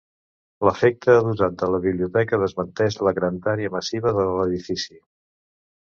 L'efecte adossat de la biblioteca desmenteix la grandària massiva de l'edifici.